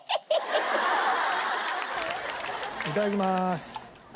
いただきます。